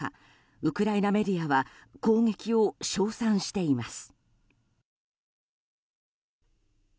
ウクライナメディアは攻撃を称賛しています。